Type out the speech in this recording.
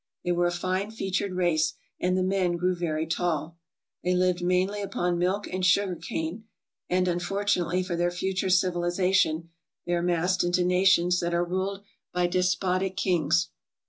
They were a fine featured race, and the men grew very tall. They lived mainly upon milk and sugar cane, and, unfortunately for their future civilization, they are massed into nations that are ruled by despotic kings.